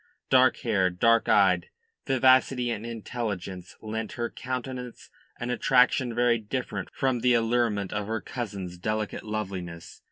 Dark haired, dark eyed, vivacity and intelligence lent her countenance an attraction very different from the allurement of her cousin's delicate loveliness.